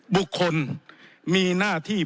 บุคคลมีหน้าที่